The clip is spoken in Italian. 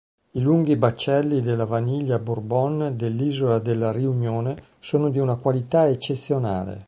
I lunghi baccelli della vaniglia Bourbon dell'isola della Riunione sono di una qualità eccezionale.